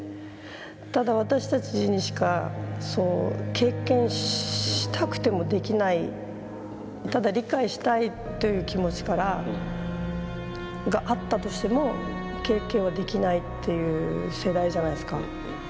ただ私たちにしかそう経験したくてもできないただ理解したいという気持ちからがあったとしても経験はできないっていう世代じゃないですか。